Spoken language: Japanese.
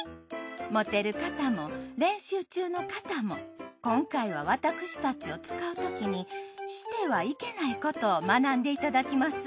持てる方も練習中の方も今回は私たちを使うときにしてはいけないことを学んでいただきます。